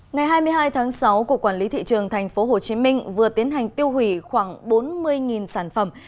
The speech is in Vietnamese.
ngày hai mươi hai tháng sáu cục quản lý thị trường tp hcm vừa tiến hành tiêu hủy khoảng bốn mươi sản phẩm